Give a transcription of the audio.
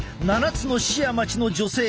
７つの市や町の女性